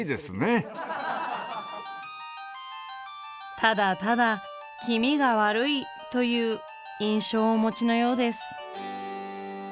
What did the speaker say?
ただただ気味が悪いという印象をお持ちのようです。